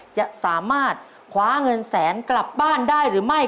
จะสามารถคว้าเงินแสนกลับบ้านได้หรือไม่